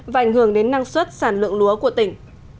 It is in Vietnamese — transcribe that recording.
và ảnh hưởng đến năng suất sản lượng lúa của tỉnh